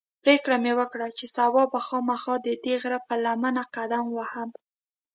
پرېکړه مې وکړه چې سبا به خامخا ددې غره پر لمنه قدم وهم.